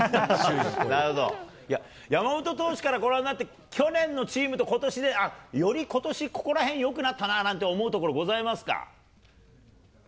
山本投手からご覧になって、去年のチームとことしで、あっ、よりことし、ここらへんよくなったなぁなんて思うところ、ございますか？